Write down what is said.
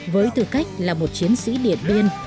với tư cách là một chiến sĩ điện biên